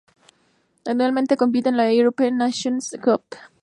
Anualmente compite en la European Nations Cup.